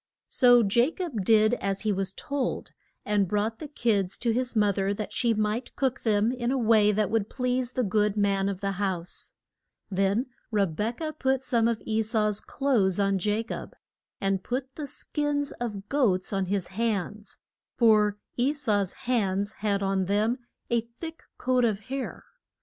So Ja cob did as he was told, and brought the kids to his mo ther that she might cook them in a way that would please the good man of the house. Then Re bek ah put some of E sau's clothes on Ja cob, and put the skins of goats on his hands, for E sau's hands had on them a thick coat of hair.